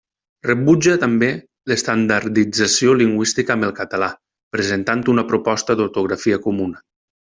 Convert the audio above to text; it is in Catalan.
Rebutja també l'estandardització lingüística amb el català, presentant una proposta d'ortografia comuna.